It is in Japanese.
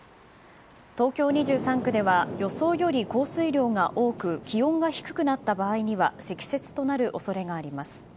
東京２３区では予想より降水量が多く気温が低くなった場合には積雪となる恐れがあります。